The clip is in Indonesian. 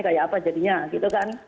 kayak apa jadinya gitu kan